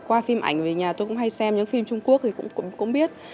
qua phim ảnh về nhà tôi cũng hay xem những phim trung quốc thì cũng biết